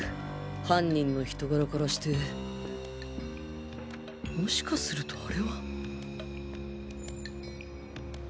犯人の人柄からしてもしかするとアレは